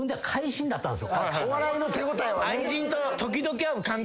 お笑いの手応えはね。